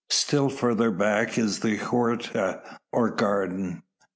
Still farther back is the huerta, or garden.